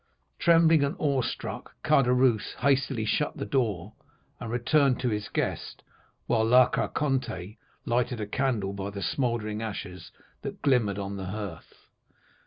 "Trembling and awe struck, Caderousse hastily shut the door and returned to his guest, while La Carconte lighted a candle by the smouldering ashes that glimmered on the hearth.